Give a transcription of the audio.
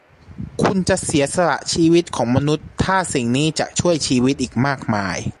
คุณจะเสียสละชีวิตของมนุษย์ถ้าสิ่งนี้จะช่วยชีวิตอีกมากมาย ?